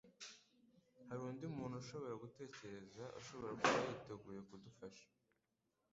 Hari undi muntu ushobora gutekereza ushobora kuba yiteguye kudufasha?